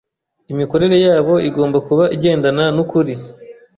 Imikorere yabo igomba kuba igendana n’ukuri